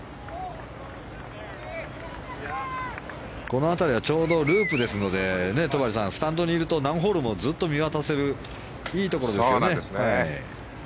この辺りはちょうどループですので戸張さん、スタンドにいると何ホールもずっと見渡せるいいところですよね。